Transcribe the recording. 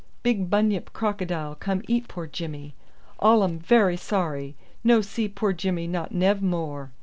Big bunyip crocodile come eat poor Jimmy. All um very sorry. No see poor Jimmy not nev more."